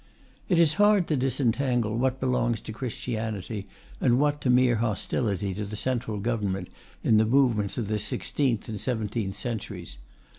It is hard to disentangle what belongs to Christianity and what to mere hostility to the Central Government in the movements of the sixteenth and seventeenth centuries.